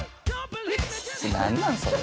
何なんそれ。